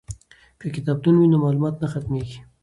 که کتابتون وي نو معلومات نه ختمیږي.